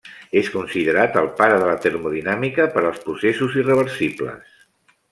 És considerat el pare de la termodinàmica per als processos irreversibles.